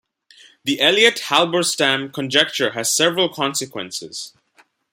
The Elliott-Halberstam conjecture has several consequences.